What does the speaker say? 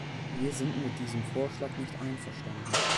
Wir sind mit diesem Vorschlag nicht einverstanden.